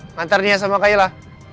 mantarnya sama kailah